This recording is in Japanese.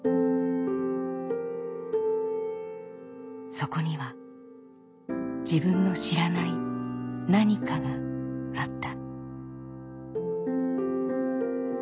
そこには自分の知らない“何か”があった。